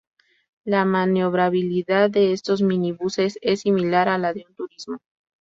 La maniobrabilidad de estos minibuses es similar a la de un turismo.